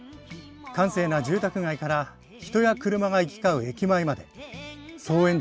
閑静な住宅街から人や車が行き交う駅前まで。